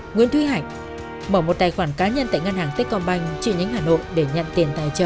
nguyễn thúy hạnh mở một tài khoản cá nhân tại ngân hàng tết công banh trị nhánh hà nội để nhận tiền tài trợ